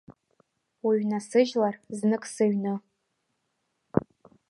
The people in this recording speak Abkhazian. Уҩнасыжьлар знык сыҩны…